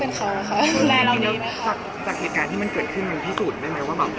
จากเหตุงานที่มันเกิดขึ้นมันพิสูจน์ไหมว่า